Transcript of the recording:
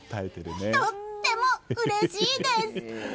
とってもうれしいです！